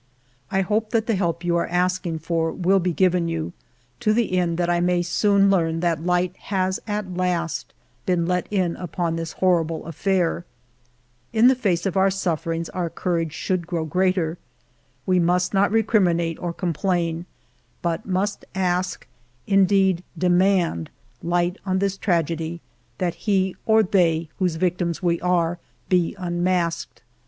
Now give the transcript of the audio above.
I hope that the help you are asking for will be given you, to the end that I may soon learn that light has at last been let in upon this horrible affair. "In the face of our sufferings our courage should grow greater. We must not recriminate or com plain, but must ask — indeed, demand — light on this tragedy ; that he or they, whose victims we are, be unmasked.